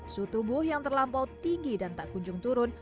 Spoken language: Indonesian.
suhu tubuh yang terlampau tinggi dan tak kunjung turun